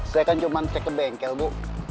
saya kan cuma cek ke bengkel bu